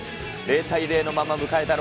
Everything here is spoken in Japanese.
０対０のまま迎えた